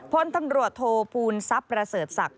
พลตำรวจโทษภูมิซับประเสริฐศักดิ์